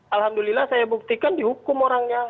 alhamdulillah saya buktikan dihukum orangnya